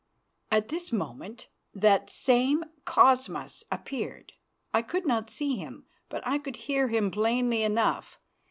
At this moment that same Cosmas appeared. I could not see him, but I could hear him plainly enough.